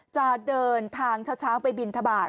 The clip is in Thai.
จะเดินทางเช้าไปบินทบาท